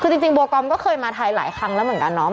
คือจริงโบกอมก็เคยมาไทยหลายครั้งแล้วเหมือนกันเนาะ